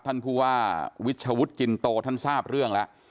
ท่านผู้ว่าวิชวุฒิจินโตท่านทราบเรื่องแล้ว